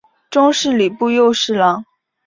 终仕礼部右侍郎。